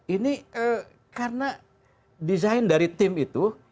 ini karena desain dari tim itu